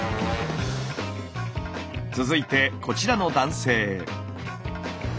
続いてこちらの男性。